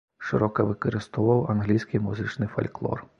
Шырока выкарыстоўваў англійскі музычны фальклор.